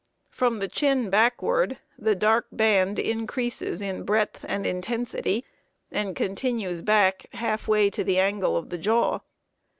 From the chin backward the dark band increases in breadth and intensity, and continues back half way to the angle of the jaw.